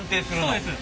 そうです。